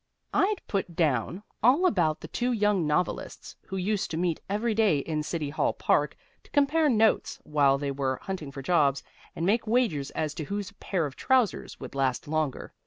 I'd put down all about the two young novelists who used to meet every day in City Hall Park to compare notes while they were hunting for jobs, and make wagers as to whose pair of trousers would last longer.